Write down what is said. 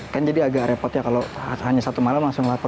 kan jadi agak repot ya kalau hanya satu malam langsung lapor